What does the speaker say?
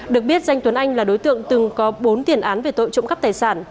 được biết danh tuấn anh là đối tượng từng có bốn tiền án về tội trộm cắp tài sản